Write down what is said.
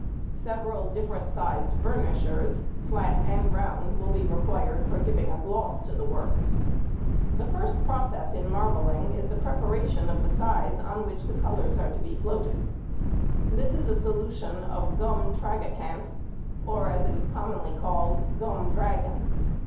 Several different sized burnishers, flat and round, will be required for giving a gloss to the work. [Illustration: Marbling Trough.] The first process in marbling is the preparation of the size on which the colours are to be floated. This is a solution of gum tragacanth, or as it is commonly called, gum dragon.